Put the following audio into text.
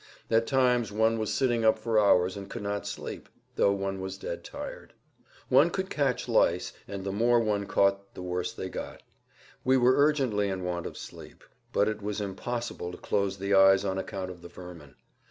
At times one was sitting up for hours and could not sleep, though one was dead tired. One could catch lice, and the more one caught the worse they got. We were urgently in want of sleep, but it was impossible to close the eyes on account of the vermin.